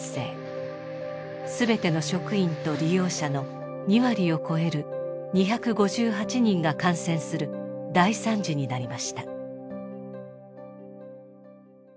全ての職員と利用者の２割を超える２５８人が感染する大惨事になりました。